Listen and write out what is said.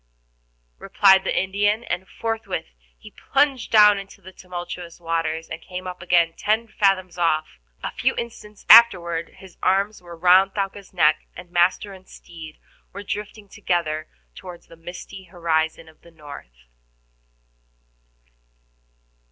replied the Indian, and forthwith he plunged down into the tumultuous waters, and came up again ten fathoms off. A few instants afterward his arms were round Thaouka's neck, and master and steed were drifting together toward the misty horizon of the north.